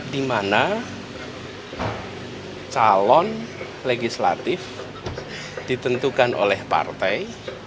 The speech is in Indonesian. di mana calon legislatif ditentukan oleh partai